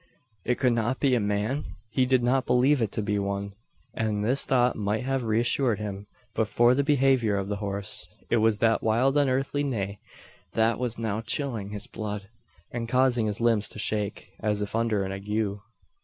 It could not be a man? He did not believe it to be one; and this thought might have reassured him, but for the behaviour of the horse. It was that wild unearthly neigh, that was now chilling his blood, and causing his limbs to shake, as if under an ague.